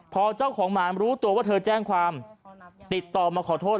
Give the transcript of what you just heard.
พอเจ้าของหมารู้ตัวว่าเธอแจ้งความติดต่อมาขอโทษ